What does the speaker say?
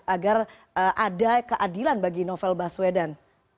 agar ada keadilan bagi novel baswedan